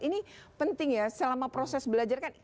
ini penting ya selama proses belajar kan